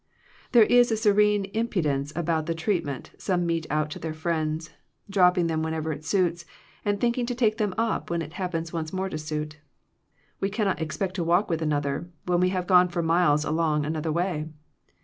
There is a serene impudence about the treatment some mete out to their friends, dropping them whenever it suits, and thinking to take them up when it hap pens once more to suit We cannot ex pect to walk with another, when we have gone for miles along another way.